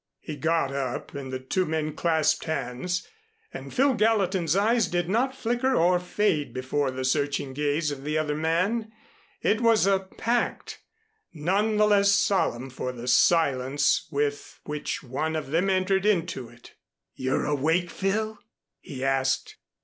He got up and the two men clasped hands, and Phil Gallatin's eyes did not flicker or fade before the searching gaze of the other man. It was a pact, none the less solemn for the silence with which one of them entered into it. "You're awake, Phil?" he asked.